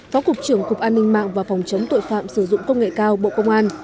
phó cục trưởng cục an ninh mạng và phòng chống tội phạm sử dụng công nghệ cao bộ công an